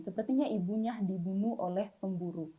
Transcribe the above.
sepertinya ibunya dibunuh oleh pemburu